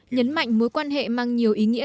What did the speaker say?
nhấn mạnh mối quan hệ mang nhiều ý nghĩa